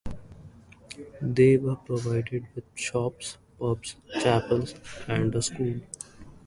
They were provided with shops, pubs, chapels and a school.